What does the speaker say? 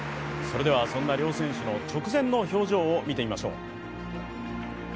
そんな両選手の直前の表情を見てみましょう。